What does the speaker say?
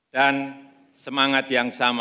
dan semangat yang sama